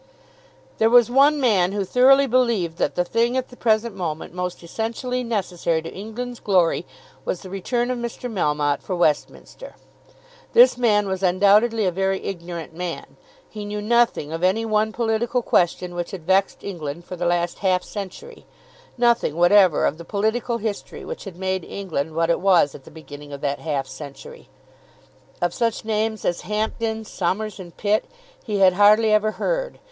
There was one man who thoroughly believed that the thing at the present moment most essentially necessary to England's glory was the return of Mr. Melmotte for Westminster. This man was undoubtedly a very ignorant man. He knew nothing of any one political question which had vexed England for the last half century, nothing whatever of the political history which had made England what it was at the beginning of that half century. Of such names as Hampden, Somers, and Pitt he had hardly ever heard.